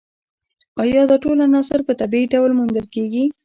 ایا دا ټول عناصر په طبیعي ډول موندل کیږي